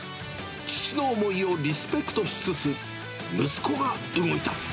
父の思いをリスペクトしつつ、息子が動いた。